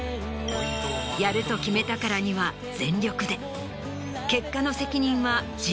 やると決めたからには全力で。